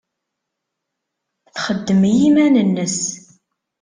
Txeddem i yiman-nnes.